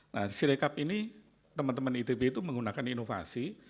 nah si rekap ini teman teman itb itu menggunakan inovasi